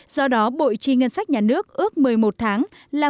do đó bộ chi ngân sách nhà nước ước một mươi một tháng là một trăm sáu mươi bốn bảy